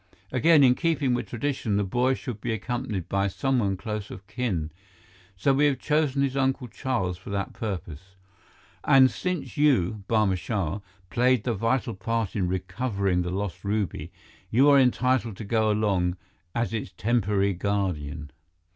"Again, in keeping with tradition, the boy should be accompanied by someone close of kin, so we have chosen his Uncle Charles for that purpose. And since you, Barma Shah, played the vital part in recovering the lost ruby, you are entitled to go along as its temporary guardian."